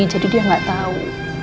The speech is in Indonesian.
jadi dia gak tau